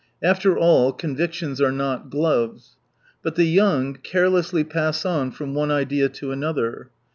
After all, con victions are not gloves. But the young carelessly pass on from one idea to another.